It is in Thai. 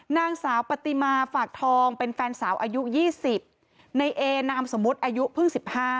นางสาวปฏิมาฝากทองเป็นแฟนสาวอายุ๒๐ในเอนามสมมุติอายุเพิ่ง๑๕